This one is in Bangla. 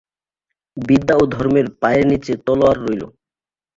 বিদ্যা ও ধর্মের পায়ের নীচে তলওয়ার রইল।